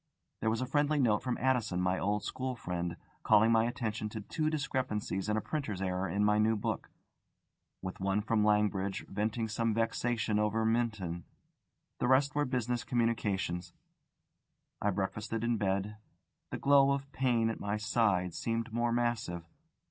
There was a friendly note from Addison, my old school friend, calling my attention to two discrepancies and a printer's error in my new book, with one from Langridge venting some vexation over Minton. The rest were business communications. I breakfasted in bed. The glow of pain at my side seemed more massive.